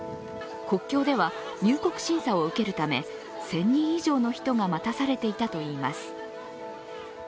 国境では入国審査にを受けるため、１０００人以上の人が待たされていたといいます。